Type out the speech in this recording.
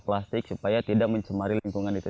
plastik supaya tidak mencemari lingkungan itu